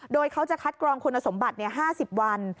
โดยเขาจะคัดกรองคุณสมบัติ๕๐วัน